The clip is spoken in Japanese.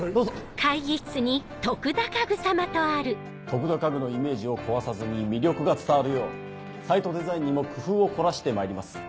徳田家具のイメージを壊さずに魅力が伝わるようサイトデザインにも工夫を凝らしてまいります。